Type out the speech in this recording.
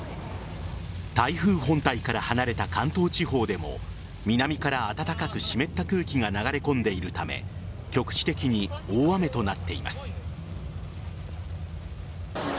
台風本体から離れた関東地方でも南から暖かく湿った空気が流れ込んでいるため局地的に大雨となっています。